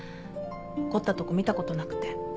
怒ったとこ見たことなくて。